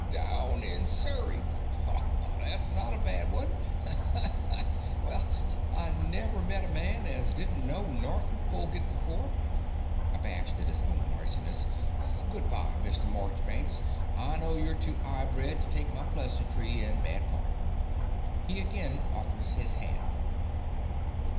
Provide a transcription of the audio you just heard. Down in Surrey har, har! that's not a bad one. Well, I never met a man as didn't know Nortn Folgit before.(Abashed at his own noisiness.) Good bye, Mr. Morchbanks: I know yo're too 'ighbred to take my pleasantry in bad part. (He again offers his hand.)